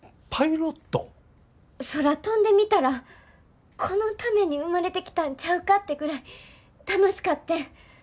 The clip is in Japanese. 空飛んでみたらこのために生まれてきたんちゃうかってぐらい楽しかってん。